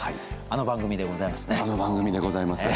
あの番組でございます。